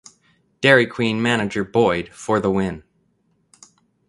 Dairy Queen manager Boyd for the win!